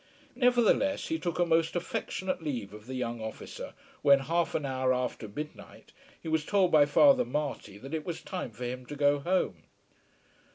Nevertheless he took a most affectionate leave of the young officer when half an hour after midnight he was told by Father Marty that it was time for him to go home.